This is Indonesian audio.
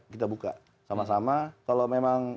kita buka sama sama kalau memang